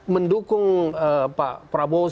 mendukung pak prabowo